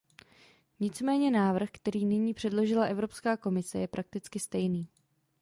Nicméně návrh, který nyní předložila Evropská komise je prakticky stejný.